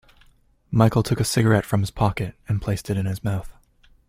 Michael took a cigarette from his pocket and placed it in his mouth.